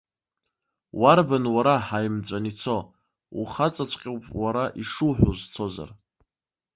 Уарбан уара ҳаимҵәаны ицо, ухаҵаҵәҟьоуп уара ишуҳәо узцозар?!